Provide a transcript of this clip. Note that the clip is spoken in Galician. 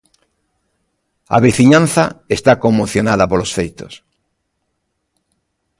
A veciñanza está conmocionada polos feitos.